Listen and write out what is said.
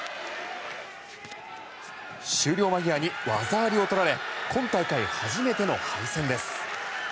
終了間際に技ありをとられ今大会初めての敗戦です。